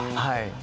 はい。